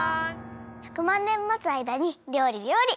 １００まんねん待つあいだにりょうりりょうり。